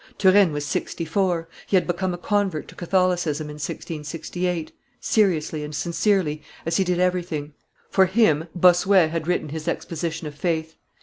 Turenne was sixty four; he had become a convert to Catholicism in 1668, seriously and sincerely, as he did everything. For him Bossuet had written his Exposition of faith.